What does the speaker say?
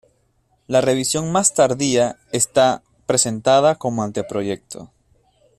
La revisión más tardía está presentada como anteproyecto.